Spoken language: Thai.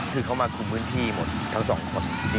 คือเขามาคุมพื้นที่หมดทั้งสองคน